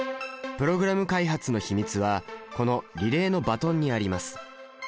プログラム開発の秘密はこのリレーのバトンにあります。